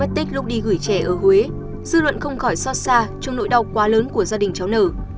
mất tích lúc đi gửi trẻ ở huế dư luận không khỏi xót xa trong nỗi đau quá lớn của gia đình cháu nở